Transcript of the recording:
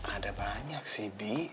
ada banyak sih bi